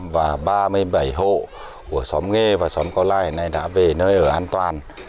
và ba mươi bảy hộ của xóm nghê và xóm có lai này đã về nơi ở an toàn